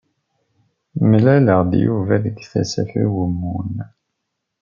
Mlaleɣ-d Yuba deg Tasaft Ugemmun.